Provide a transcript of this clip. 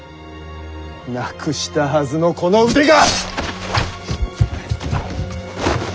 なくしたはずのこの腕が！